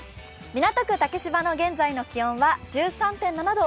港区竹芝の現在の気温は１３．７度。